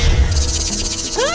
aku akan menghina kau